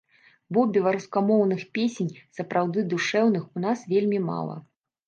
Бо беларускамоўных песень, сапраўды душэўных, у нас вельмі мала.